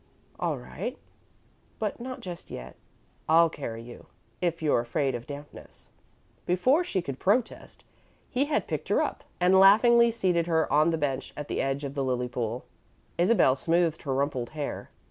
"All right, but not just yet. I'll carry you, if you're afraid of dampness." Before she could protest, he had picked her up and laughingly seated her on the bench at the edge of the lily pool. Isabel smoothed her rumpled hair.